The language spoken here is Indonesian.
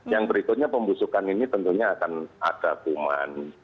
yang berikutnya pembusukan ini tentunya akan ada kuman